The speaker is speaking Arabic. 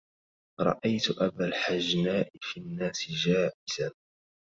رأيت أبا الحجناء في الناس جائزا